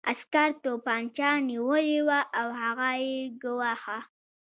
عسکر توپانچه نیولې وه او هغه یې ګواښه